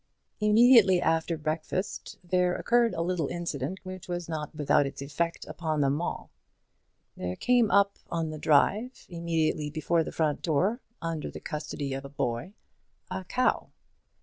Immediately after breakfast there occurred a little incident which was not without its effect upon them all. There came up on the drive, immediately before the front door, under the custody of a boy, a cow.